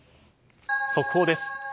速報です。